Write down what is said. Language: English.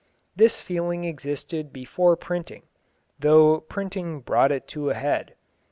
This feeling existed before printing, though printing brought it to a head.